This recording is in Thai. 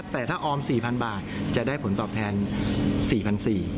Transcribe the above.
แต่ถ้าออม๔๐๐๐บาทจะได้ผลตอบแทน๔๔๐๐บาท